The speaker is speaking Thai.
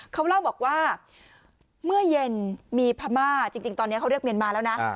เขาเล่าบอกว่าเมื่อเย็นมีพม่าจริงตอนนี้เขาเรียกเมียนมาแล้วนะ